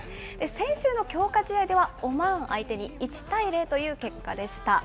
先週の強化試合では、オマーン相手に１対０という結果でした。